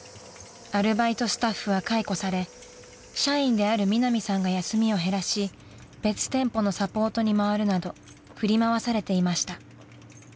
［アルバイトスタッフは解雇され社員であるミナミさんが休みを減らし別店舗のサポートに回るなど振り回されていました］